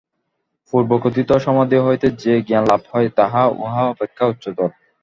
পূর্বকথিত সমাধি হইতে যে জ্ঞান লাভ হয়, তাহা উহা অপেক্ষা উচ্চতর।